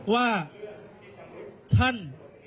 ว่าท่าน